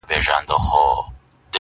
څوك به ويښ څوك به بيده څوك نا آرام وو٫